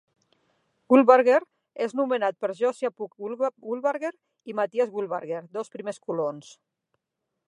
Wilbarger és nomenat per Josiah Pugh Wilbarger i Mathias Wilbarger, dos primers colons.